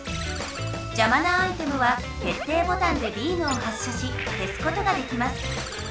じゃまなアイテムは決定ボタンでビームを発射しけすことができます。